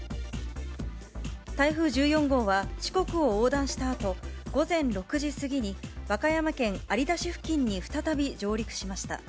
台風１４号は四国を横断したあと、午前６時過ぎに、和歌山県有田市付近に再び上陸しました。